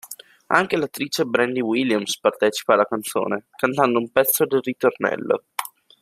Anche l'attrice Brandi Williams partecipa alla canzone, cantando un pezzo del ritornello.